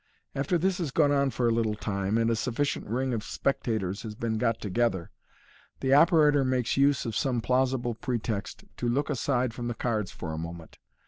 After this has gone on for a little time, and a sufficient ring of spectators has been got together, the operator makes use of some plausible pretext to look aside from the cards for a moment.